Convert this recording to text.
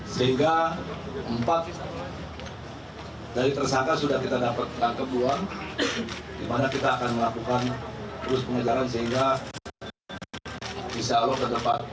sehingga empat dari tersangka sudah kita dapat rangkap uang dimana kita akan melakukan terus pengajaran sehingga bisa alok ke depan